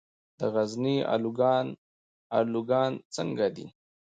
د غزني الوګان څنګه دي؟